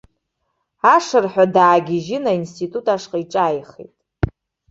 Ашырҳәа даагьежьын аинститут ашҟа иҿааихеит.